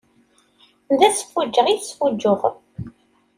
D asfuǧǧeɣ i tesfuǧǧuɣem.